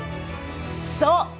そう！